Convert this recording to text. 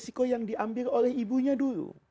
resiko yang diambil oleh ibunya dulu